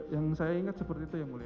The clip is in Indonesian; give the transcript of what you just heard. yang saya ingat seperti itu yang mulia